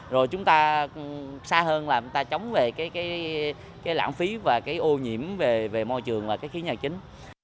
rồi chúng ta xa hơn là chúng ta chống về cái lãng phí và cái ô nhiễm về môi trường và cái khí nhà kính